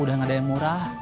udah gak ada yang murah